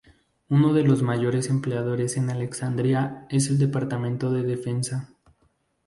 Uno de los mayores empleadores en Alexandría es el Departamento de Defensa.